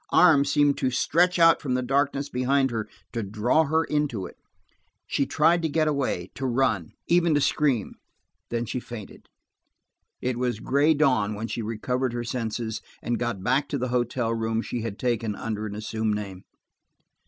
Arms seemed to stretch out from the darkness behind her, to draw her into it She tried to get away, to run, even to scream–then she fainted. It was gray dawn when she recovered her senses and got back to the hotel room she had taken under an assumed name.